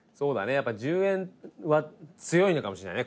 やっぱ１０円は強いのかもしれないね。